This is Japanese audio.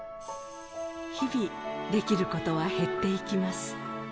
日々、できることは減っていきます。